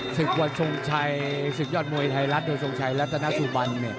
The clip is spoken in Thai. ศึกวันทรงชัยศึกยอดมวยไทยรัฐโดยทรงชัยรัฐนาสุบัน